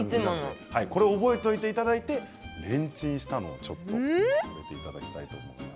これを覚えておいていただいてレンチンしたものをちょっと食べていただきたいと思います。